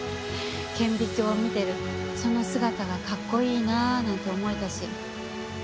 顕微鏡を見てるその姿が格好いいななんて思えたし。